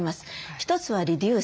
１つはリデュース。